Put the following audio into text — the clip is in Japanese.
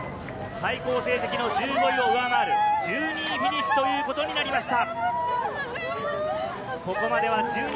最高成績の１５位を上回る１２位フィニッシュとなりました。